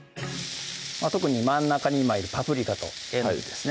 特に真ん中に今いるパプリカとえのきですね